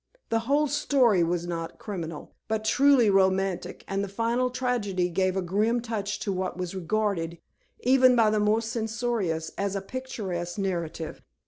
The whole story was not criminal, but truly romantic, and the final tragedy gave a grim touch to what was regarded, even by the most censorious, as a picturesque narrative.